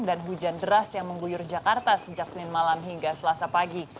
dan hujan deras yang mengguyur jakarta sejak senin malam hingga selasa pagi